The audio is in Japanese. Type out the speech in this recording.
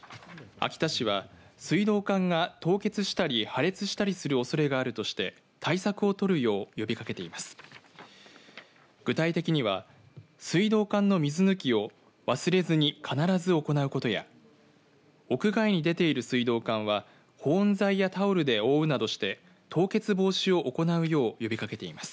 秋田市は水道管が凍結したり破裂したりするおそれがあるとして対策を取るよう呼びかけています。